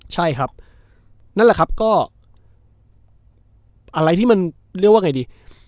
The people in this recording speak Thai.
ใช่ครับนั่นแหละครับก็อะไรที่มันเรียกว่าไงดี